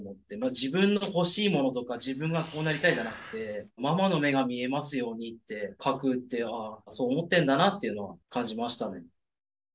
自分の欲しいものとか自分がこうなりたいじゃなくてママの目が見えますようにって書くってああそう思ってんだなっていうのを感じましたね。